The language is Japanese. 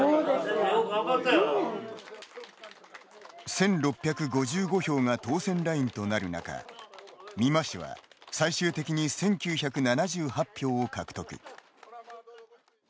１６５５票が当選ラインとなるなか美馬氏は、最終的に１９７８票を獲得。